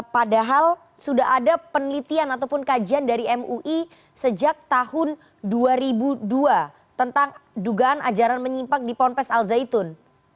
padahal sudah ada penelitian ataupun kajian dari mui sejak tahun dua ribu dua tentang dugaan ajaran menyimpang di ponpes al zaitun